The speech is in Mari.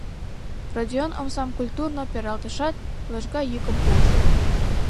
Родион омсам культурно пералтышат, лыжга йӱкым пуыш: